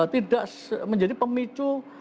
tidak menjadi pemicu